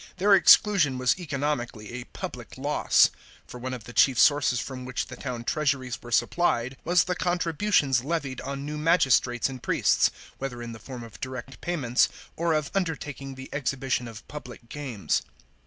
Their exclusion was economically a public loss. For one of the chief sources from which the town treasuries were supplied was the contributions levied on new magistrates and priests, whether in the form of direct payments or of under taking the exhibition of public games.